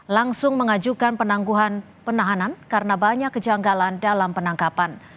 langsung mengajukan penangguhan penahanan karena banyak kejanggalan dalam penangkapan